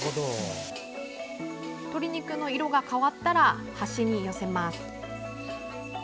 鶏肉の色が変わったら端に寄せます。